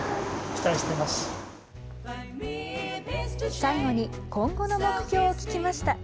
最後に今後の目標を聞きました。